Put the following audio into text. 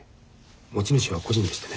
持ち主は個人でしてね。